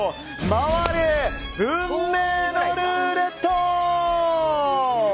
回れ、運命のルーレット！